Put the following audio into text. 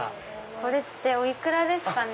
これってお幾らですかね？